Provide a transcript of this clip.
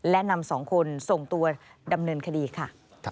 และนำ๒คนส่งตัวดำเนินคดีค่ะ